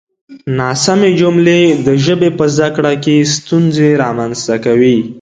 ناسمې جملې د ژبې په زده کړه کې ستونزې رامنځته کوي.